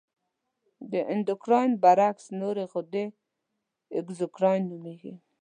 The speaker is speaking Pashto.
د اندورکراین برعکس نورې غدې اګزوکراین نومیږي.